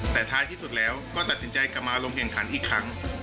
แต่ท้ายที่สุดแล้วก็ตัดสินใจกลับมาลงแข่งขันอีกครั้ง